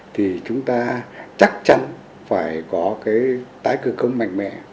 thì chúng ta chắc chắn phải có cái tái cư công mạnh mẽ